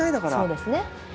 そうですね。